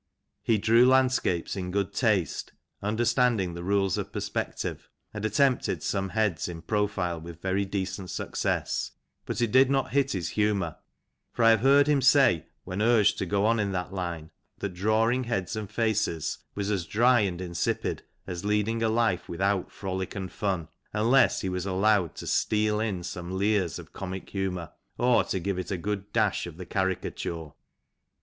He drew landscapes in good taste, understanding the rules of perspective, and attempted some heads in profile, with very decent success ; but it did not hit his humour, for I have heard him say, when urged to go on in that line, that " drawing heads and faces was as dry and insipid as leading a life without frolic and fun, unless he was allowed to steal in some leers of comic humour, or to give them a good dash of the caricature."